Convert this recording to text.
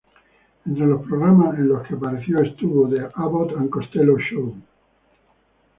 Entre los programas en los que apareció estuvo "The Abbott and Costello Show".